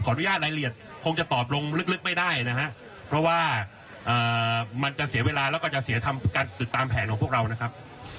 อนุญาตรายละเอียดคงจะตอบลงลึกไม่ได้นะฮะเพราะว่ามันจะเสียเวลาแล้วก็จะเสียทำการสืบตามแผนของพวกเรานะครับ